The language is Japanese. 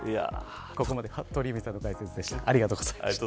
ここまで鳥海さんの解説でした。